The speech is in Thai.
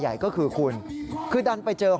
สายลูกไว้อย่าใส่